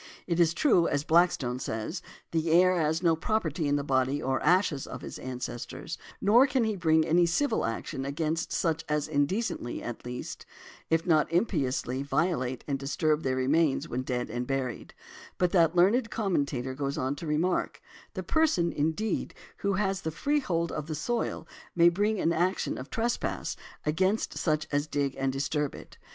It is true, as Blackstone says, the heir has no property in the body or ashes of |157| his ancestors; nor can he bring any civil action against such as indecently, at least, if not impiously, violate and disturb their remains when dead and buried; but that learned commentator goes on to remark: "The person, indeed, who has the freehold of the soil, may bring an action of trespass against such as dig and disturb it" .